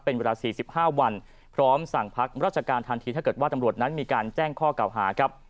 เป็นเวลา๔๕วันพร้อมสั่งพักราชการทันทีถ้าเกิดว่าตำรวจนั้นมีการแจ้งข้อเก่าหาครับ